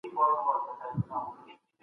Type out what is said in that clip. انلاين زده کړه د کور چاپیریال سره همغږي کړه.